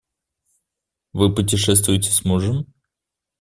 Вы путешествуете с мужем?